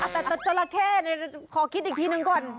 แต่จราเข้ขอคิดอีกทีนึงก่อน